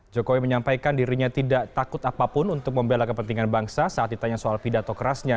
jokowi menyampaikan dirinya tidak takut apapun untuk membela kepentingan bangsa saat ditanya soal pidato kerasnya